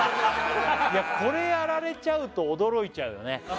これやられちゃうと驚いちゃうよね